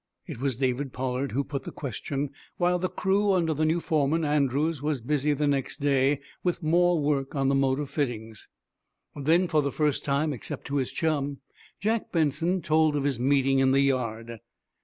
It was David Pollard who put the question, while the crew, under the new foreman, Andrews, was busy the next day with more work on the motor fittings. Then, for the first time, except to his chum, Jack Benson told of his meeting in the yard.